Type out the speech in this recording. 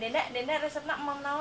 denda berhubungan dengan allah